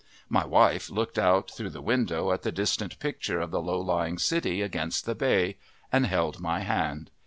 My wife looked out through the window at the distant picture of the low lying city against the bay, and held my hand.